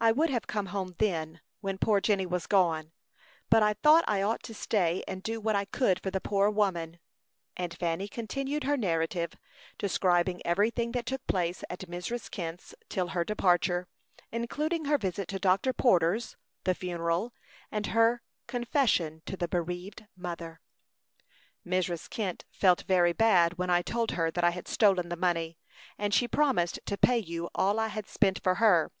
"I would have come home then, when poor Jenny was gone, but I thought I ought to stay and do what I could for the poor woman;" and Fanny continued her narrative, describing everything that took place at Mrs. Kent's till her departure, including her visit to Dr. Porter's, the funeral, and her confession to the bereaved mother. "Mrs. Kent felt very bad when I told her that I had stolen the money; and she promised to pay you all I had spent for her.